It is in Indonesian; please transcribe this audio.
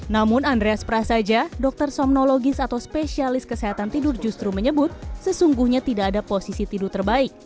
namun andreas prasaja dokter somnologis atau spesialis kesehatan tidur justru menyebut sesungguhnya tidak ada posisi tidur terbaik